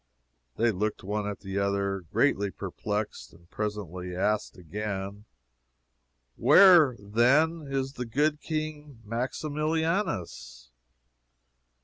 They looked one at the other, greatly perplexed, and presently asked again, Where, then, is the good King Maximilianus?